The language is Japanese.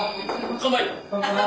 乾杯！